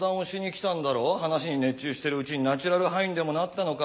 話に熱中してるうちにナチュラルハイにでもなったのか。